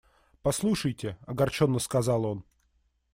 – Послушайте! – огорченно сказал он.